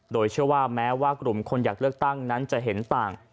โดยเชื่อว่าแม้ว่ากลุ่มคนอยากเลือกตั้งนั้นจะเห็นต่าง